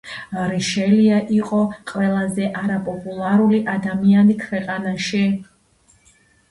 რიშელიე იყო ყველაზე არაპოპულარული ადამიანი ქვეყანაში.